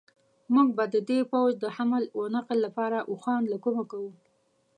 موږ به د دې پوځ د حمل و نقل لپاره اوښان له کومه کوو.